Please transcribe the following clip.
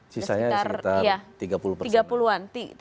sisanya sekitar tiga puluh persen